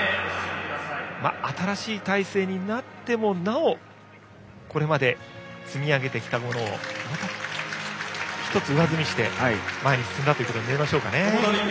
新しい体制になってもなお、これまで積み上げてきたものをまた１つ上積みして前に進んだということになりましょうか。